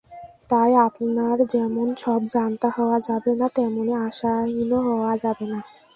তাই আপনার যেমন সবজান্তা হওয়া যাবে না, তেমনি আশাহীনও হওয়া যাবে না।